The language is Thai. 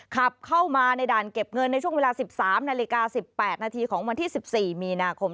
ขับเข้ามาในด่านเก็บเงินในช่วงเวลา๑๓นาฬิกา๑๘นาทีของวันที่๑๔มีนาคม